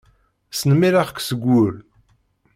Snemmireɣ-k seg wul.